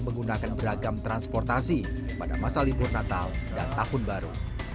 menggunakan beragam transportasi pada masa libur natal dan tahun baru